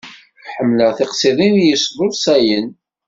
Ḥemmleɣ tiqsiḍin yesḍusayen.